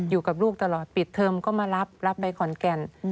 อยู่กับลูกตลอดปิดเทอมก็มารับรับไปขอนแก่น